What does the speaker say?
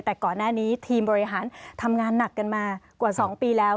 แต่ก่อนหน้านี้ทีมบริหารทำงานหนักกันมากว่า๒ปีแล้ว